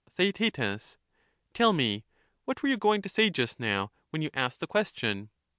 Theaet Tell me ; what were you going to say just now. How when you asked the question